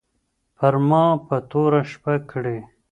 پر ما به توره شپه کړې